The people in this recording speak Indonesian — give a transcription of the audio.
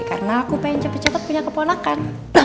karena aku pengen cepet cepet punya keponakan